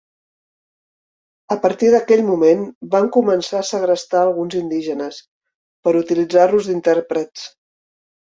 A partir d'aquell moment van començar a segrestar a alguns indígenes, per utilitzar-los d'intèrprets.